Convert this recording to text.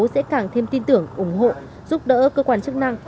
sẽ càng thêm tin tưởng ủng hộ giúp đỡ cơ quan chức năng